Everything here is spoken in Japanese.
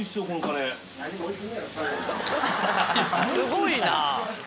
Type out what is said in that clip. すごいな。